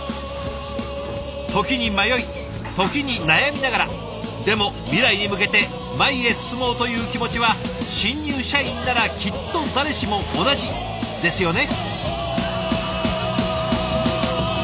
時に迷い時に悩みながらでも未来に向けて前へ進もうという気持ちは新入社員ならきっと誰しも同じですよね。